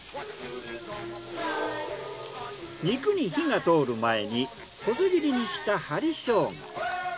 肉に火が通る前に細切りにした針生姜。